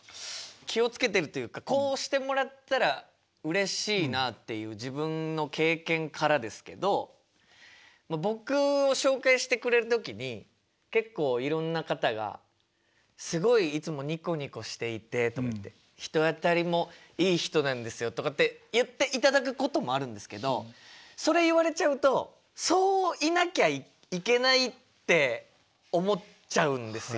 気をつけてるっていうかこうしてもらったらうれしいなっていう自分の経験からですけど僕を紹介してくれる時に結構いろんな方が「すごいいつもにこにこしていて」とかって「人当たりもいい人なんですよ」とかって言っていただくこともあるんですけどそれ言われちゃうとそういなきゃいけないって思っちゃうんですよ。